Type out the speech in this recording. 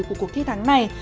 của cuộc thi thắng này